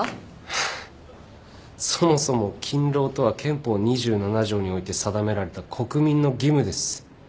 ハァそもそも勤労とは憲法２７条において定められた国民の義務です。